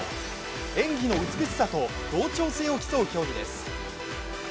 演技の美しさと同調性を競う競技です。